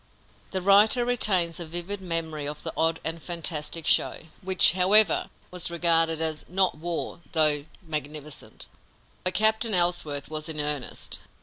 The writer retains a vivid memory of the odd and fantastic show, which, however, was regarded as "not war, though magnificent." But Captain Ellsworth was in earnest.